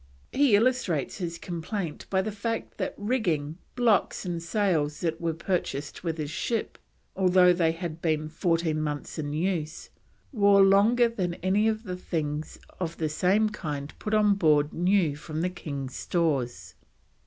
He illustrates his complaint by the fact that rigging, blocks, and sails that were purchased with his ship, although they had been fourteen months in use, wore longer than any of the things of the same kind put on board new from the king's stores.